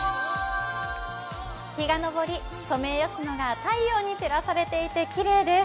日が昇り、ソメイヨシノが太陽に照らされていてきれいです。